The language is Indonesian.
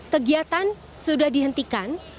kegiatan sudah dihentikan